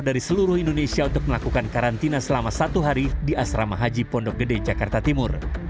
dari seluruh indonesia untuk melakukan karantina selama satu hari di asrama haji pondok gede jakarta timur